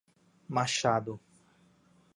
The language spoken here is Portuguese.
Machado